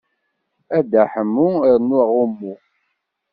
A Dda Ḥemmu rnu aɣummu.